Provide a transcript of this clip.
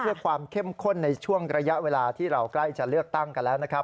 เพื่อความเข้มข้นในช่วงระยะเวลาที่เราใกล้จะเลือกตั้งกันแล้วนะครับ